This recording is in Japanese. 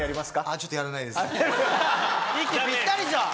息ぴったりじゃん。